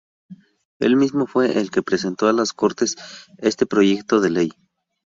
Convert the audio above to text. Él mismo fue el que presentó a las Cortes este proyecto de ley.